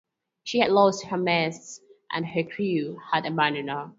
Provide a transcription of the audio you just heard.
She had lost her masts and her crew had abandoned her.